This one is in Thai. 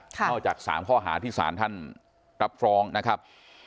นอกจาก๓ข้อหาที่สารท่านรับฟ้องนะครับ